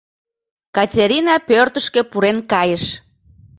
Катерина пӧртышкӧ пурен кайыш.